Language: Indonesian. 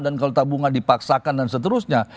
kalau tabungan dipaksakan dan seterusnya